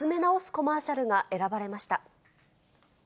コマーシャルが選ばれました。